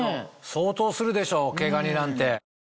相当するでしょ毛ガニなんて。